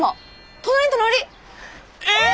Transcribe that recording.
隣隣。え！